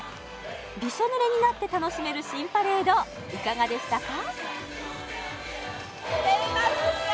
びしょ濡れになって楽しめる新パレードいかがでしたか？